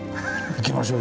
行きましょう。